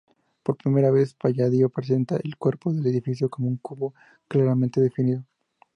Por vez primera, Palladio presenta el cuerpo del edificio como un cubo claramente definido.